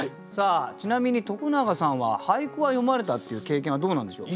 ちなみに徳永さんは俳句は詠まれたっていう経験はどうなんでしょう？